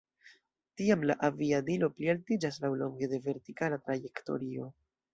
Tiam la aviadilo plialtiĝas laŭlonge de vertikala trajektorio.